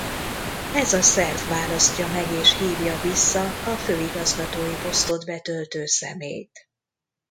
Ez a szerv választja meg és hívja vissza a főigazgatói posztot betöltő személyt.